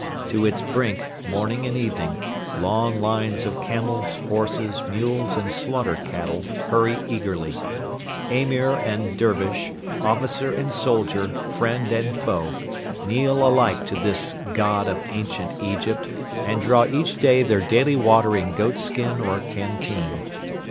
To its brink, morning and evening, long lines of camels, horses, mules, and slaughter cattle hurry eagerly. Emir and Dervish, officer and soldier, friend and foe, kneel alike to this god of ancient Egypt and draw each day their daily water in goatskin or canteen.